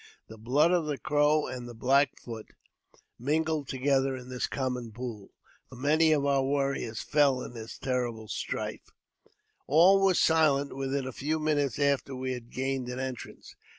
The blood of the Crow and the Black Foot mingled together in this common pool, for many of our warriors fell in this terrible strife. All was silent within a few minutes after we had gained an entrance.